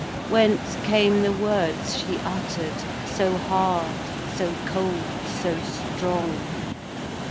Whence came the words she utter'd, So hard, so cold, so strong?